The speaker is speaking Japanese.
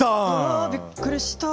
うわびっくりした。